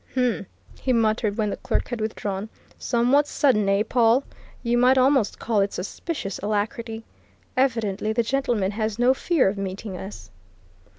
Um!" he muttered when the clerk had withdrawn. "Somewhat sudden, eh, Pawle? You might almost call it suspicious alacrity. Evidently the gentleman has no fear of meeting us!"